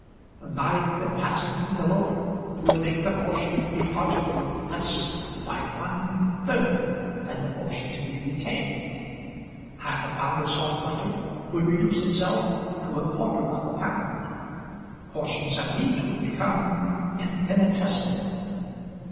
The knife in passing through the loaf would make the portion to be parted with less by one third than the portion to be retained. Half a pound of salt butter would reduce itself to a quarter of a pound. Portions of meat would become infinitesimal.